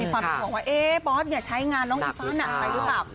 มีความห่วงว่าเอ๊บอสเนี่ยใช้งานน้องจริงฟะหนังไปหรือเปล่า